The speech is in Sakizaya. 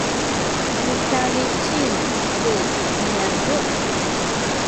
misalisin ku niyazu’